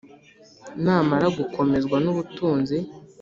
Namara gukomezwa n ubutunzi